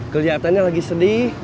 keliatannya lagi sedih